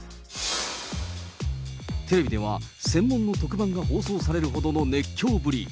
テレビでは、専門の特番が放送されるほどの熱狂ぶり。